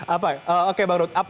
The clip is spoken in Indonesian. apa ya oke bang ruhut